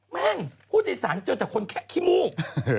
แม่งผู้โดยสารเจอแต่คนแค่ขี้มูก